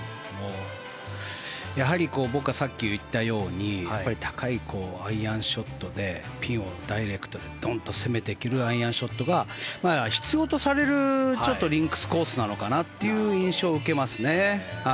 やはり僕がさっき言ったように高いアイアンショットでピンを、ダイレクトにドンと攻めていけるアイアンショットが必要とされるリンクスコースなのかなという印象を受けますね。